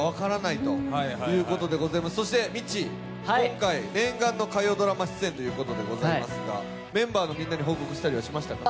ミッチー、今回、念願の火曜ドラマ出演ということですがメンバーのみんなに報告したりはしましたか？